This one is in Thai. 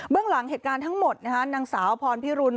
เรื่องหลังเหตุการณ์ทั้งหมดนางสาวพรพิรุณ